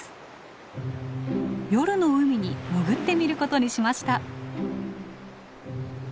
夜の海に潜ってみることにしました。